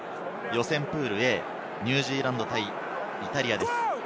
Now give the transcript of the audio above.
予選プールＡ、ニュージーランド対イタリアです。